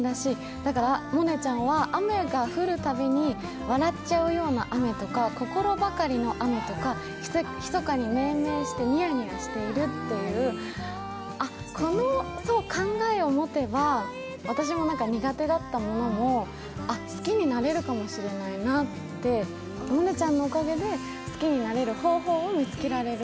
だから萌音ちゃんは雨が降るたびに笑っちゃうような雨とか心ばかりの雨とか、密かに命名してニヤニヤしているという、あっ、この考えを持てば、私も苦手だったものも好きになれるかもしれないなって萌音ちゃんのおかげで好きになれる方法を見つけられる